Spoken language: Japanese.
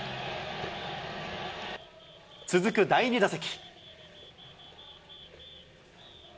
続く第２打席。